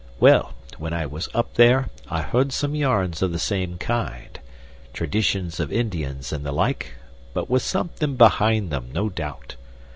Well, when I was up there I heard some yarns of the same kind traditions of Indians and the like, but with somethin' behind them, no doubt.